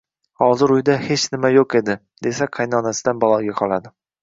Hozir uyda hech nima yo`q edi, desa qaynonasidan baloga qoladi